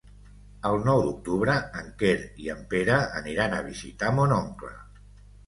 El nou d'octubre en Quer i en Pere aniran a visitar mon oncle.